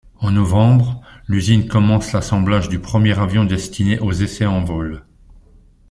En novembre, l'usine commence l'assemblage du premier avion destiné aux essais en vol.